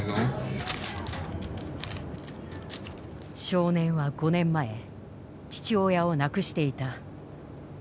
少年は５年前父親を亡くしていた。